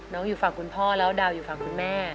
อยู่ฝั่งคุณพ่อแล้วดาวอยู่ฝั่งคุณแม่